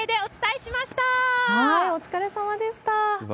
お疲れさまでした。